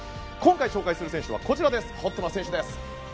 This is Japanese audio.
今回、紹介する選手はこちら、ホットな選手です。